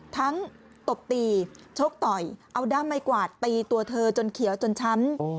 ตบตีชกต่อยเอาด้ามไม้กวาดตีตัวเธอจนเขียวจนช้ำ